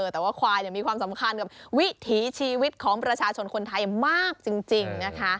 แต่ว่าควายมีความสำคัญกับวิถีชีวิตของประชาชนคนไทยมากจริงนะคะ